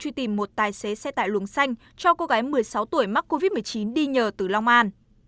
truy tìm một tài xế xe tải luống xanh cho cô gái một mươi sáu tuổi mắc covid một mươi chín đi nhờ từ long an